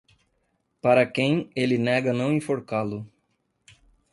Para quem ele nega não enforcá-lo.